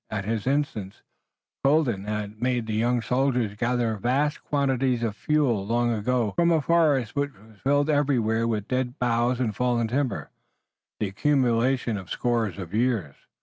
At his instance, Colden had made the young soldiers gather vast quantities of fuel long ago from a forest which was filled everywhere with dead boughs and fallen timber, the accumulation of scores of years.